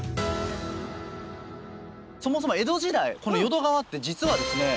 そもそも江戸時代この淀川って実はですね